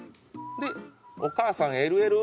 「お母さんＬＬ？」